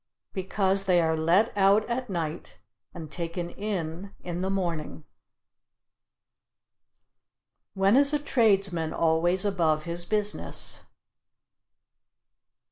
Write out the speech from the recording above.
Because they are let out at night and taken in in the morning. When is a tradesman always above his business?